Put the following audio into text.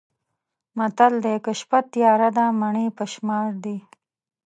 متل دی: که شپه تیاره ده مڼې په شمار دي.